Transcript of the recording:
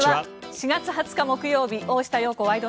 ４月２０日、木曜日「大下容子ワイド！